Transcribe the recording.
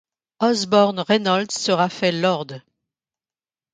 Osborne Reynolds sera fait lord.